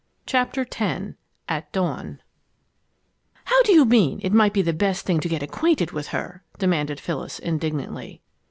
CHAPTER X AT DAWN "How do you mean it might be the best thing to get acquainted with her?" demanded Phyllis, indignantly.